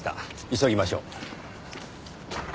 急ぎましょう。